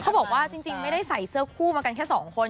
บอกว่าจริงไม่ได้ใส่เสื้อคู่มากันแค่สองคน